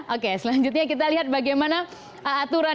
oke selanjutnya kita lihat bagaimana aturan